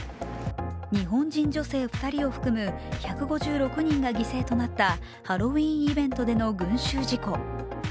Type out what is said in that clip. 日本人女性２人を含む１５６人が犠牲となったハロウィーンイベントでの群集事故。